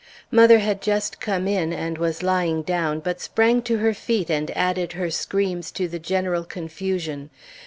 Mother had just come in, and was lying down, but sprang to her feet and added her screams to the general confusion.